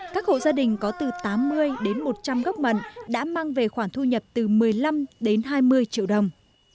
các hộ gia đình có từ tám mươi đến một trăm linh gốc mận đã mang về khoản thu nhập từ một mươi năm đến hai mươi triệu đồng